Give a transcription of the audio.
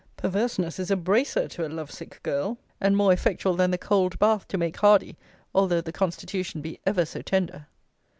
Perverseness is a bracer to a love sick girl, and more effectual than the cold bath to make hardy, although the constitution be ever so tender.'